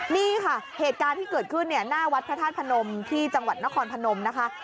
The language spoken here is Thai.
นี่ค่ะเหตุการณ์ที่เกิดขึ้นเนี่ยหน้าวัดพระธาตุพนมที่จังหวัดนครพนมนะคะ